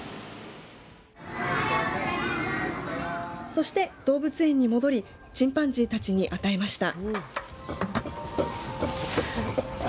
そして動物園に戻りチンパンジーたちに与えました。